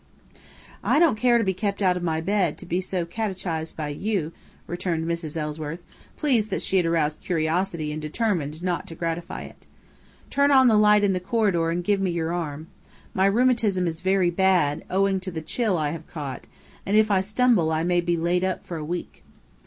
"I don't care to be kept out of my bed, to be catechized by you," returned Mrs. Ellsworth, pleased that she had aroused curiosity and determined not to gratify it. "Turn on the light in the corridor and give me your arm. My rheumatism is very bad, owing to the chill I have caught, and if I stumble I may be laid up for a week."